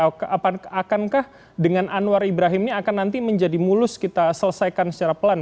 oke akankah dengan anwar ibrahim ini akan nanti menjadi mulus kita selesaikan secara pelan